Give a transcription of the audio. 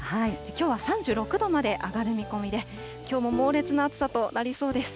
きょうは３６度まで上がる見込みで、きょうも猛烈な暑さとなりそうです。